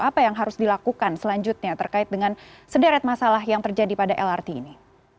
apa yang harus dilakukan selanjutnya terkait dengan sederet masalah yang terjadi pada lrt ini